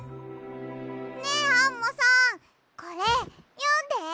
ねえアンモさんこれよんで。